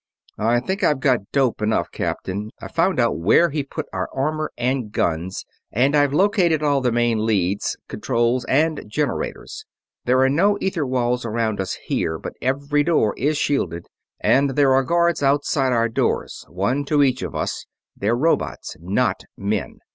"I think I've got dope enough, Captain. I've found out where he put our armor and guns, and I've located all the main leads, controls, and generators. There are no ether walls around us here, but every door is shielded, and there are guards outside our doors one to each of us. They're robots, not men.